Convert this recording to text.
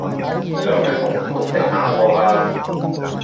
想去紅館定亞博啊